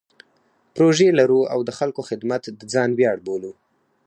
پروژې لرو او د خلکو خدمت د ځان ویاړ بولو.